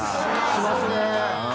しますね！